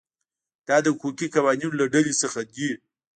دا د حقوقي قوانینو له ډلې څخه دي.